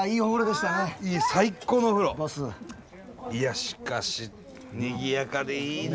しかしにぎやかでいいな。